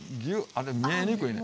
あれ見えにくいね。